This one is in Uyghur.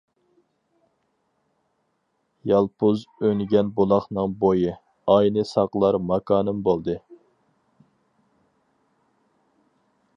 يالپۇز ئۈنگەن بۇلاقنىڭ بويى، ئاينى ساقلار ماكانىم بولدى.